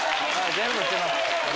全部捨てます。